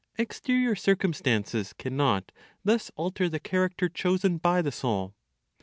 Exterior circumstances cannot thus alter the character chosen by the soul.